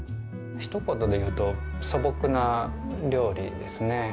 ひと言で言うと素朴な料理ですね。